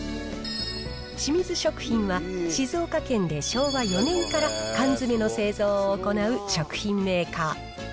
清水食品は静岡県で昭和４年から缶詰の製造を行う食品メーカー。